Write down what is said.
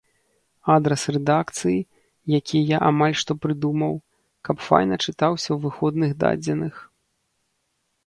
Адрас рэдакцыі, які я амаль што прыдумаў, каб файна чытаўся ў выходных дадзеных.